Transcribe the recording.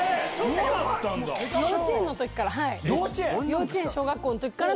幼稚園の時から。